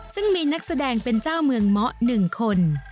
ซึ่งมีนักแสดงเป็นเจ้าเมืองเมาะ๑คน